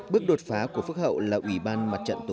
bước đột phá của phước hậu là ủy ban mặt trận tổ quốc